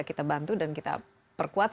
kita bantu dan kita perkuat